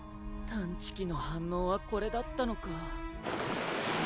探知機の反応はこれだったのか。